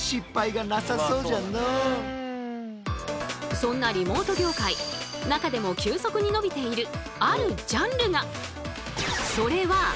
そんなリモート業界中でも急速に伸びているあるジャンルが。